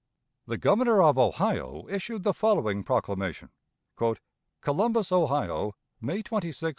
The Governor of Ohio issued the following proclamation: "COLUMBUS, Ohio, _May 26, 1862.